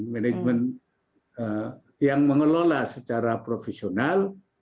manajemen yang mengelola secara profesional